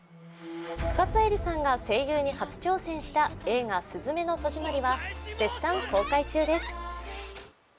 深津絵里さんが声優に初挑戦した映画「すずめの戸締まり」は絶賛公開中です。